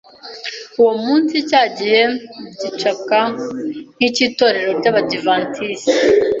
uwo munsi cyagiye gicapwa nk’i cy’itorero ry’Abadiventisi